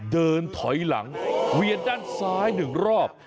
เดินถอยหลังเวียนด้านซ้าย๑รอบ